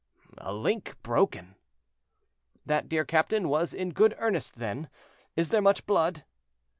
"A link broken." "That dear captain was in good earnest then; is there much blood?"